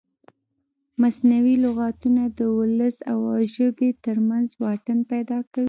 مصنوعي لغتونه د ولس او ژبې ترمنځ واټن پیدا کوي.